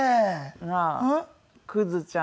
なあクズちゃん。